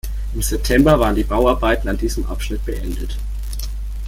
Im September waren die Bauarbeiten an diesem Abschnitt beendet.